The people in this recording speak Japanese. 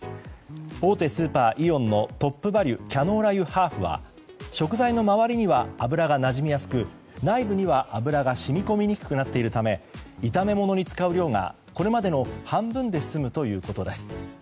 大手スーパー、イオンのトップバリュキャノーラ油ハーフは食材の周りには油がなじみやすく、内部には油が染み込みにくくなっているため炒め物に使う油の量がこれまでの半分で済むということです。